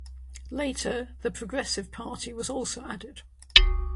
Later the Progressive Party was also added.